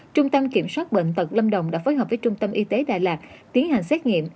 trung tâm kiểm soát bệnh tật lâm đồng đã phối hợp với trung tâm y tế đà lạt tiến hành xét nghiệm